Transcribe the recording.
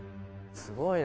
「すごいな。